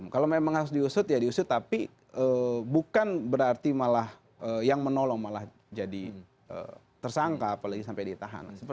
kalau memang harus diusut ya diusut tapi bukan berarti malah yang menolong malah jadi tersangka apalagi sampai ditahan